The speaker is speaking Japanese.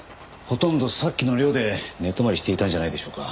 ほとんどさっきの寮で寝泊まりしていたんじゃないでしょうか。